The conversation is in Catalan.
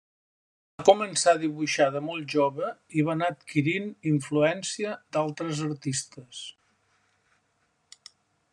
Va començar a dibuixar de molt jove i va anar adquirint influència d'altres artistes.